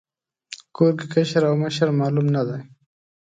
کور کې کشر او مشر معلوم نه دی.